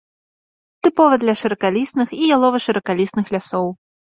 Тыповы для шыракалістых і ялова-шыракалістых лясоў.